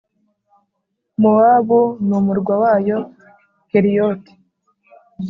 Mowabu n’umurwa wayo, Keriyoti